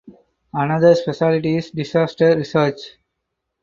Another speciality is disaster research.